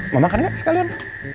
mau makan gak sekalian